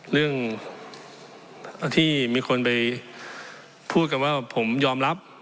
เรื่องที่มีคนไปพูดกันว่าผมยอมรับ